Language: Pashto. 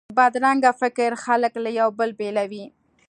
بدرنګه فکر خلک له یو بل بیلوي